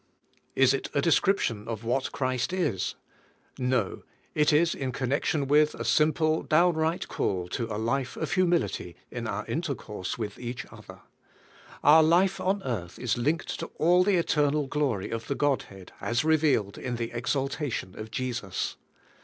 Is it a description of what Christ is? No; it is in connection with a simple, downright call to a life of humility in our intercourse with each other. Our life on earth is linked to all the eternal glojy of the Godhead as revealed in the 87 88 CHRIST S HUMILITY OUR SALVATION exaltation of Jesus.